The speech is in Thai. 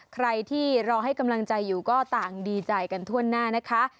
ใครที่รอให้กำลังใจอยู่ก็ต่างดีใจกันทั่วหน้านะคะ